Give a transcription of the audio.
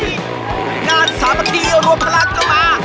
งานสามกระทีเอารวมพลังเข้ามา